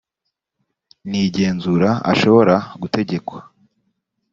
n igenzura ashobora gutegekwa